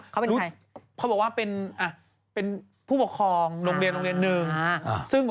เขาบอกว่าเป็นผู้ปกครองโรงเรียนหนึ่ง